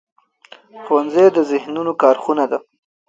ښوونځی د ذهنونو کارخونه ده